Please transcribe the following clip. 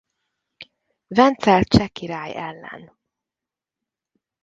Vencel cseh király ellen.